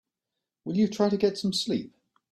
Will you try to get some sleep?